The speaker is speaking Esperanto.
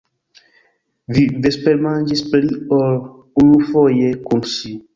Vi vespermanĝis pli ol unufoje kun ŝi.